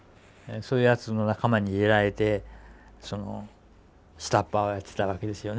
そういうやつの仲間に入れられてその下っ端をやってたわけですよね。